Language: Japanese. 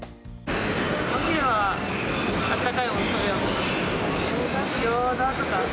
お昼はあったかいものを食べようと。